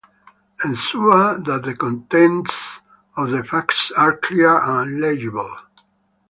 Ensure that the contents of the fax are clear and legible.